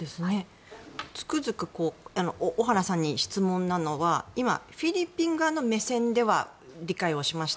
つくづく小原さんに質問なのは今、フィリピン側の目線では理解をしました。